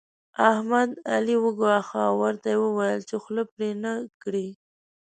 احمد؛ علي وګواښه او ورته ويې ويل چې خوله پرې نه کړې.